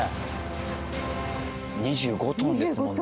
２５トンですもんね。